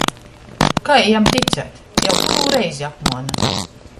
Kai jam ticēt — jau kurū reizi apmuona!